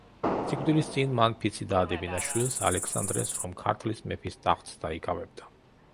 სიკვდილის წინ მან ფიცი დაადებინა შვილს, ალექსანდრეს, რომ ქართლის მეფის ტახტს დაიკავებდა.